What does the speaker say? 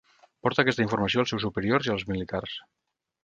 Porta aquesta informació als seus superiors i als militars.